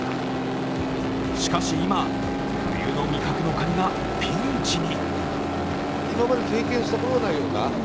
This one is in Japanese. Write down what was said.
しかし今、冬の味覚のカニがピンチに。